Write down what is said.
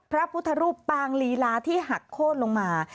พระพุทธรูปปางลีลาที่หักโค้นลงมา